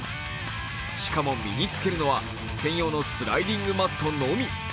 しかも、身につけるのは専用のスライディングマットのみ。